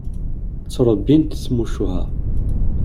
Ttrebbint tmucuha.